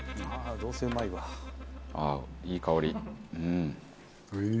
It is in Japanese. ああいい香りうん。